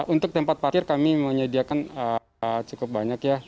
untuk tempat parkir kami menyediakan cukup banyak ya